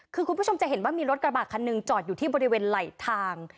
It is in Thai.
คือคุณผู้ชมจะเห็นว่ามีรถกระบะคันหนึ่งจอดอยู่ที่บริเวณไหลทาง